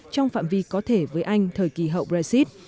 trong phạm vi có thể với anh thời kỳ hậu brexit